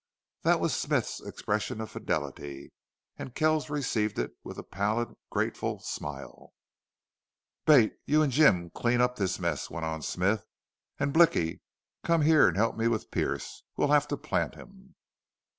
That was Smith's expression of fidelity, and Kells received it with a pallid, grateful smile. "Bate, you an' Jim clean up this mess," went on Smith. "An', Blicky, come here an' help me with Pearce. We'll have to plant him."